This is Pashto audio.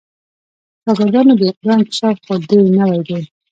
د شاګردانو دا انکشاف خو دې نوی دی.